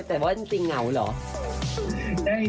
แต่ว่าจริงเหงาเหรอ